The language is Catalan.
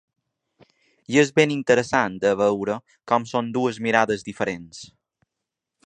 I és ben interessant de veure com són dues mirades diferents.